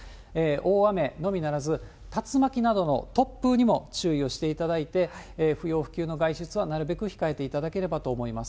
大雨のみならず、竜巻などの突風にも注意をしていただいて、不要不急の外出はなるべく控えていただければと思います。